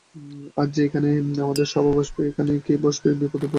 আজ যে এখানে আমাদের সভা বসবে– এখনই কে এসে পড়বে, বিপদে পড়বি।